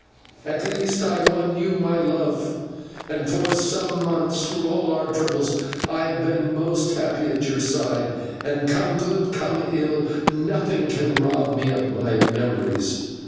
At the least I won you, my love, and for some months, through all our troubles, I have been happy at your side, and, come good, come ill, nothing can rob me of my memories.